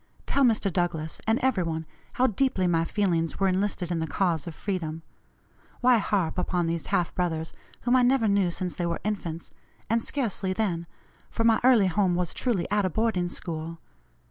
Tell Mr. Douglass, and every one, how deeply my feelings were enlisted in the cause of freedom. Why harp upon these half brothers, whom I never knew since they were infants, and scarcely then, for my early home was truly at a boarding school.